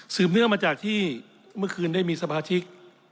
เนื่องมาจากที่เมื่อคืนได้มีสมาชิก